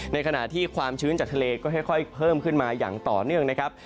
ในขณะที่ความชื้นจากทะเลก็ค่อยเพิ่มขึ้นมาอย่างต่อเนื่องนะครับ